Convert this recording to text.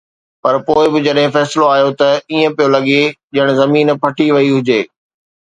پر پوءِ به جڏهن فيصلو آيو ته ائين پئي لڳو ڄڻ زمين ڦٽي وئي هجي.